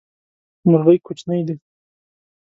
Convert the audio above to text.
مرغی کوچنی ده